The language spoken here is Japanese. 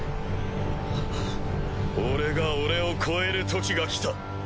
俺が俺を超えるときが来た！